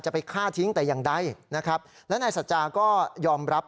ไปฆ่าทิ้งแต่อย่างใดนะครับและนายสัจจาก็ยอมรับ